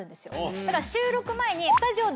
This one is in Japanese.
だから収録前に。